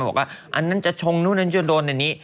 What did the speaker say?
มันบอกว่าอันนั้นจะชงนู่นนจนโดนอย่างนี้